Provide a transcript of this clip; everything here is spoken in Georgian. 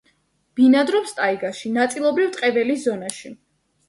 ბინადრობს ტაიგაში, ნაწილობრივ ტყე-ველის ზონაში.